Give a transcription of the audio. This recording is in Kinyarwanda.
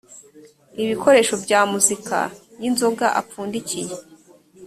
ibikoresho bya muzika y inzoga apfundikiye